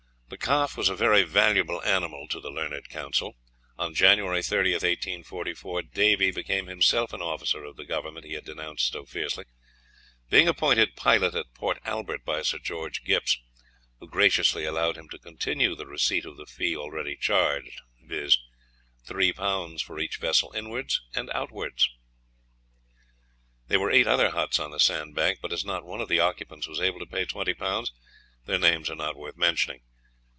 The calf was a very valuable animal to the learned counsel. On January 30th, 1844, Davy became himself an officer of the Government he had denounced so fiercely, being appointed pilot at Port Albert by Sir George Gipps, who graciously allowed him to continue the receipt of the fee already charged, viz., three pounds for each vessel inwards and outwards. There were eight other huts on the sandbank, but as not one of the occupants was able to pay twenty pounds, their names are not worth mentioning.